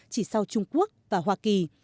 chỉ sau trung quốc và hoa kỳ